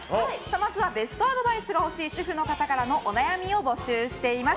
まずはベストアドバイスが欲しい主婦の方からのお悩みを募集しています。